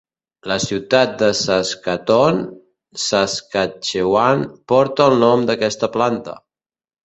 La ciutat de Saskatoon, Saskatchewan, porta el nom d'aquesta planta.